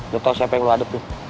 lo tau siapa yang lo adep tuh